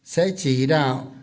sẽ chỉ đạo